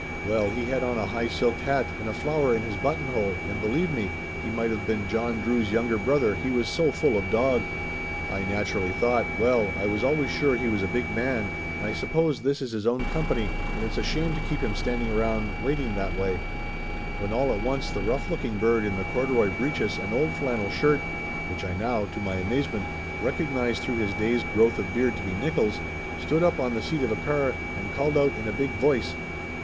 Well, he had on a high silk hat, and a flower in his buttonhole, and believe me, he might of been John Drew's younger brother, he was so full of dog ! I nat urally thought, "Well, I was always sure he was a big man and I suppose this is his own company and it's a shame to keep him standing around waiting that way," when all at once the rough looking bird in the corduroy breeches and old flannel shirt, which I now, to my amazement, recognized through his day's growth of beard to be Nickolls, stood up on the seat of a car and called out in a big voice.